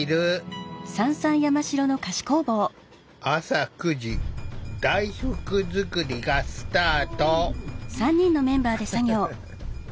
朝９時大福作りがスタート。